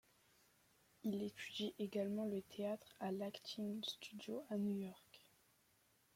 Il étudie également le théâtre à l'Acting Studio à New York.